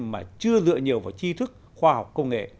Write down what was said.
mà chưa dựa nhiều vào chi thức khoa học công nghệ